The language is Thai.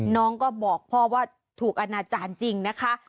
น้องก็บอกพ่อว่าถูกอนาจารย์จริงนะคะ